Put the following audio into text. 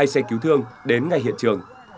hai xe cứu thương đến ngay hiện trường